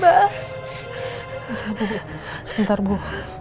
bisa bu sebentar bu